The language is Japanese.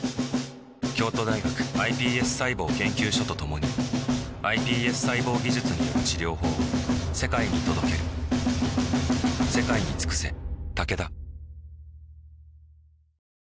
京都大学ｉＰＳ細胞研究所と共にｉＰＳ細胞技術による治療法を世界に届けるようこそ真央の沼へ